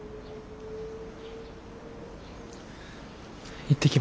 行ってきます。